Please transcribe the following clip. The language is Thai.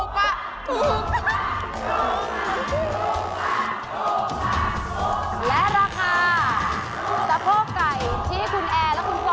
ปลูกปังปลูกปังปลูกปัง